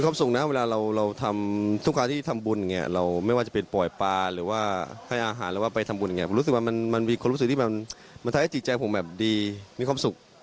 เพราะให้แม่ทุกคนได้มีความสุขสุขภาพแบ่ง